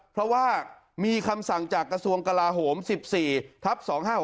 เพราะว่ามีคำสั่งจากกระทรวงกลาโหม๑๔ทับ๒๕๖๖